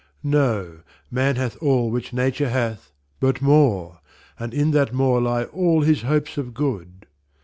Know, man hath all which Nature hath, but more, And in that more lie all his hopes of good.